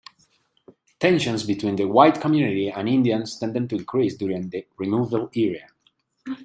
Tensions between the white community and Indians tended to increase during the Removal era.